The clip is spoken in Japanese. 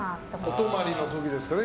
お泊まりの時ですかね